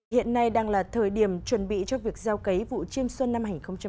hiện nay đang là thời điểm chuẩn bị cho việc gieo cấy vụ chiêm xuân năm hai nghìn hai mươi